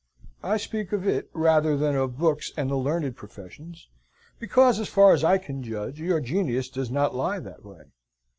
I speak of it rather than of books and the learned professions, because, as far as I can judge, your genius does not lie that way.